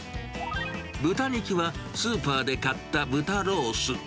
豚肉は、スーパーで買った豚ロース。